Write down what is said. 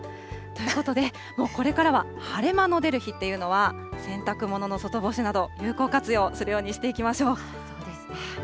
ということで、もうこれからは晴れ間の出る日というのは、洗濯物の外干しなど、有効活用するようにしていきましょう。